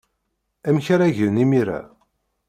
Amek ara gen imir-a?